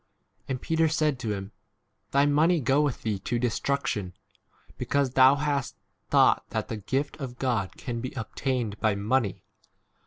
And Peter said to him, Thy money go with thee to destruction, because thou hast thought that the gift of God can 21 be obtained by money.